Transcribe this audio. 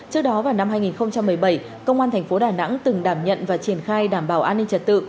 trước đó vào năm hai nghìn một mươi bảy công an thành phố đà nẵng từng đảm nhận và triển khai đảm bảo an ninh trật tự